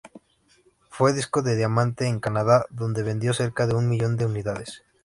Fue disco de diamante en Canadá, donde vendió cerca de un millón de unidades.